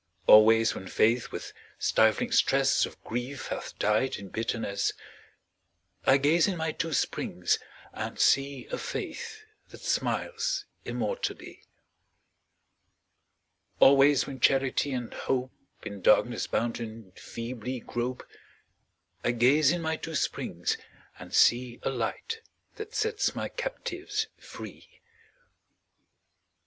Always when Faith with stifling stress Of grief hath died in bitterness, I gaze in my two springs and see A Faith that smiles immortally. Always when Charity and Hope, In darkness bounden, feebly grope, I gaze in my two springs and see A Light that sets my captives free.